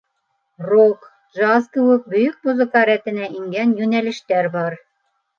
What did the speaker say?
Рок, джаз кеүек бөйөк музыка рәтенә ингән йүнәлештәр бар.